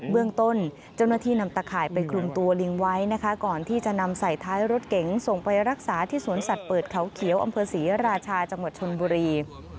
เรื่องต้นเจ้าหน้าที่นำตะข่ายไปคลุมตัวลิงไว้นะคะก่อนที่จะนำใส่ท้ายรถเก๋งส่งไปรักษาที่สวนสัตว์เปิดเขาเขียวอำเภอศรีราชาจังหวัดชนบุรี